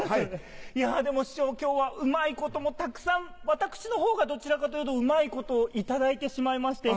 いやでも師匠今日はうまいこともたくさん私のほうがどちらかというとうまいことをいただいてしまいまして。